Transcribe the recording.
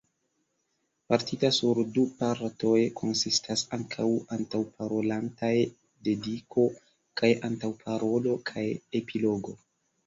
Partita sur du partoj konsistas ankaŭ antaŭparolantaj dediko kaj antaŭparolo, kaj epilogo.